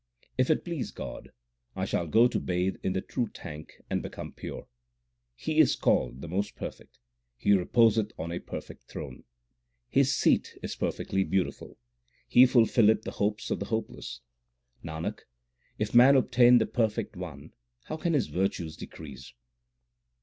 If it please God, I shall go to bathe in the true tank x and become pure. He is called the most perfect ; He reposeth on a perfect throne. His seat is perfectly beautiful ; He fulfilleth the hopes of the hopeless. Nanak, if man obtain the Perfect One how can his virtues decrease